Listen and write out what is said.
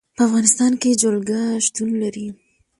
په افغانستان کې جلګه شتون لري.